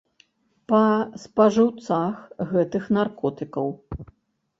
Па спажыўцах гэтых наркотыкаў.